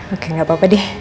oke gak apa apa deh